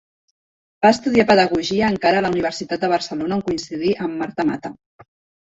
Va estudiar Pedagogia encara a la Universitat de Barcelona on coincidí amb Marta Mata.